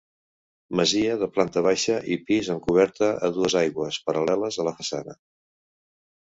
Masia de planta baixa i pis amb coberta a dues aigües paral·leles a la façana.